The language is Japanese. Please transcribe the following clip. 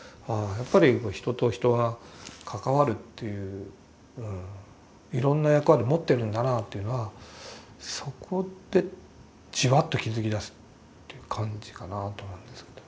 やっぱり人と人は関わるといういろんな役割持ってるんだなというのはそこでじわっと気付きだすって感じかなと思うんですけど。